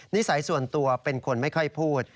นิสัยส่วนตัวเป็นคนไม่ค่อยพูด